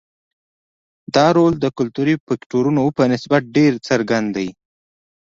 دا رول د کلتوري فکټورونو په نسبت ډېر څرګند دی.